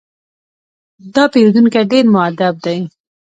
دا پیرودونکی ډېر مؤدب دی.